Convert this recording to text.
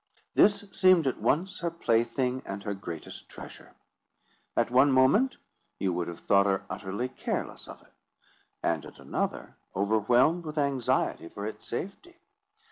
This seemed at once her plaything and her greatest treasure. At one moment, you would have thought her utterly careless of it, and at another, overwhelmed with anxiety for its safety.